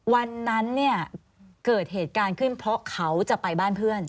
วันนั้นเนี่ยเกิดเหตุการณ์ขึ้นเพราะเขาจะไปบ้านเพื่อน